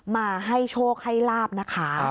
มาให้โชคให้ลาบนะคะ